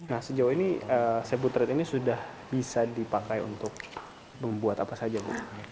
nah sejauh ini sabut trade ini sudah bisa dipakai untuk membuat apa saja bu